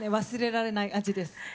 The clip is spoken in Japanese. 忘れられない味です。